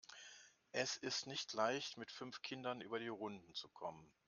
Es ist nicht leicht, mit fünf Kindern über die Runden zu kommen.